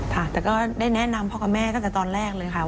ค่ะแต่ก็ได้แนะนำพ่อกับแม่ตั้งแต่ตอนแรกเลยค่ะ